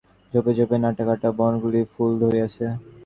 ঝোপে ঝোপে নাটা-কাঁটা, বনকলমির ফুল ধরিয়াছে।